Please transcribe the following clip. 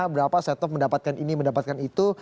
berapa set top mendapatkan ini mendapatkan itu